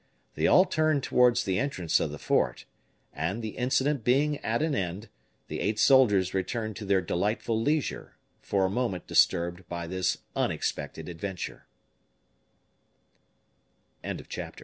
They all turned towards the entrance of the fort, and, the incident being at an end, the eight soldiers returned to their delightful leisure, for a moment disturbed by this unexpected adventur